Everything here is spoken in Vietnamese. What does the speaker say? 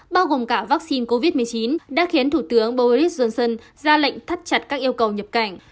bao gồm cả vaccine covid một mươi chín đã khiến thủ tướng boris johnson ra lệnh thắt chặt các yêu cầu nhập cảnh